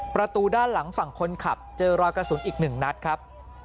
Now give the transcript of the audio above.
ประตูด้านหลังฝั่งคนขับเจอรอยกระสุนอีก๑นัดครับ